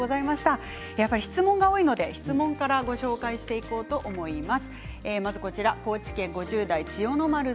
質問が多いので質問からご紹介しようと思います。